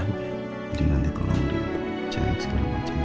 jadi nanti tolong dia cari segala macamnya